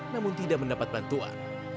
namun tidak mendapat bantuan